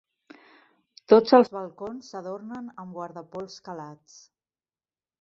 Tots els balcons s'adornen amb guardapols calats.